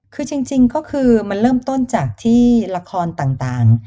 คือจริงก็คือมันเริ่มต้นจากที่ละครต่าง